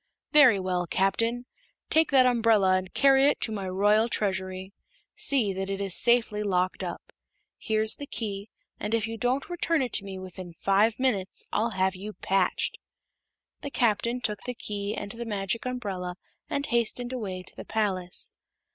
"Very well, Captain. Take that umbrella and carry it to my Royal Treasury. See that it is safely locked up. Here's the key, and if you don't return it to me within five minutes I'll have you patched." The Captain took the key and the Magic Umbrella and hastened away to the palace.